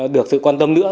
được sự quan tâm nữa